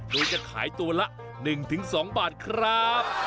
โดยจะขายตัวละ๑๒บาทครับ